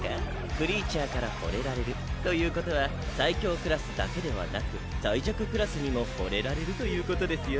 クリーチャーから惚れられるということは最強クラスだけではなく最弱クラスにも惚れられるということですよ。